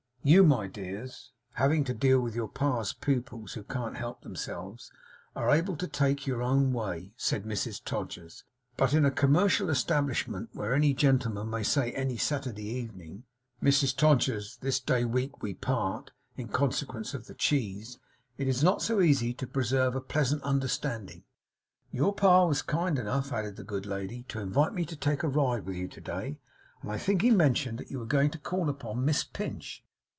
'You, my dears, having to deal with your pa's pupils who can't help themselves, are able to take your own way,' said Mrs Todgers; 'but in a commercial establishment, where any gentleman may say any Saturday evening, "Mrs Todgers, this day week we part, in consequence of the cheese," it is not so easy to preserve a pleasant understanding. Your pa was kind enough,' added the good lady, 'to invite me to take a ride with you to day; and I think he mentioned that you were going to call upon Miss Pinch.